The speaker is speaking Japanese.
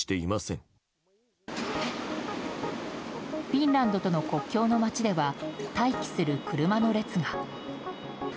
フィンランドとの国境の街では待機する車の列が。